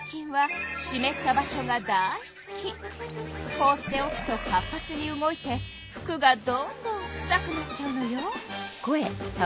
放っておくと活発に動いて服がどんどんくさくなっちゃうのよ。